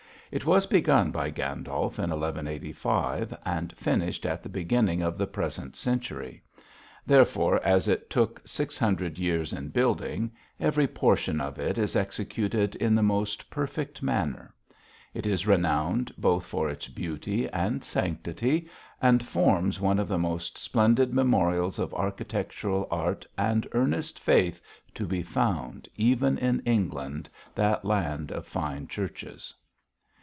It was begun by Gandolf in 1185, and finished at the beginning of the present century; therefore, as it took six hundred years in building, every portion of it is executed in the most perfect manner. It is renowned both for its beauty and sanctity, and forms one of the most splendid memorials of architectural art and earnest faith to be found even in England, that land of fine churches.